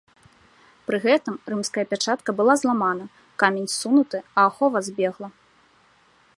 Пры гэтым рымская пячатка была зламана, камень ссунуты, а ахова збегла.